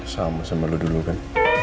sama sama dulu kan